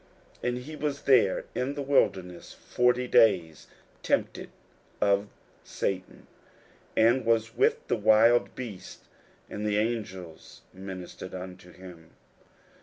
41:001:013 And he was there in the wilderness forty days, tempted of Satan; and was with the wild beasts; and the angels ministered unto him.